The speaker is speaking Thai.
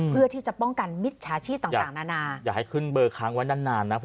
เพื่อที่จะป้องกันมิจฉาชีพต่างนานาอย่าให้ขึ้นเบอร์ค้างไว้นานนานนะ